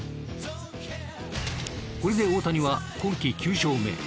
これで大谷は今季９勝目。